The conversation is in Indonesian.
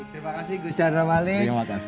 terima kasih gus chandra malik